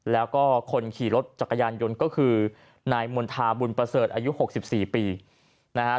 แล้วก็คนขี่รถจักรยานยนต์ก็คือนายมณฑาบุญประเสริฐอายุ๖๔ปีนะฮะ